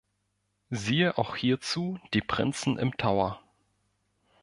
Siehe auch hierzu die Prinzen im Tower.